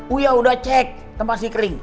uya udah cek tempat si kering